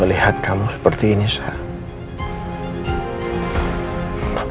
melihat kamu seperti ini sekarang